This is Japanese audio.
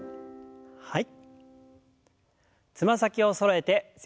はい。